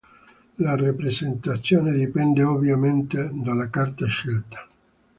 La rappresentazione dipende ovviamente dalla carta scelta.